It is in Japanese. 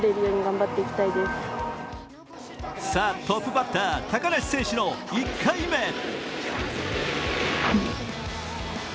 トップバッター、高梨選手の１回目。